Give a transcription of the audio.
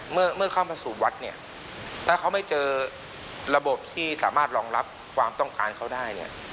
เมื่อเข้ามาสู่วัดเนี่ยถ้าเขาไม่เจอระบบที่สามารถรองรับความต้องการเขาได้เนี่ย